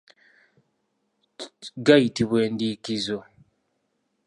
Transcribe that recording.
Gayitibwa endiikiizo.